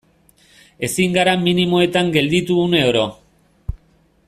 Ezin gara minimoetan gelditu une oro.